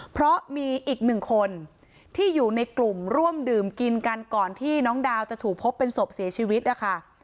เพราะมีอีกหนึ่งคนที่อยู่ในกลุ่มร่วมดื่มกินกันก่อนที่น้องดาวจะถูกพบเป็นศพเสียชีวิตนะคะ